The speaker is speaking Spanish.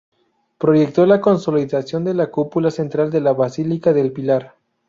Proyectó la consolidación de la cúpula central de la Basílica del Pilar.